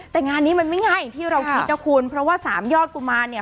แต่งานนี้มันไม่ง่ายอย่างที่เราคิดนะคุณเพราะว่าสามยอดกุมารเนี่ย